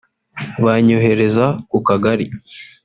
banyohereza ku kagari